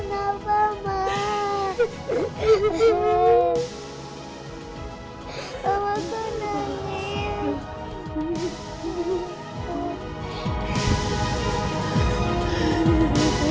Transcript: gak akan aku lepasin aku